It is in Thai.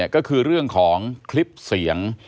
ก็คือเรื่องของคลิปเสียง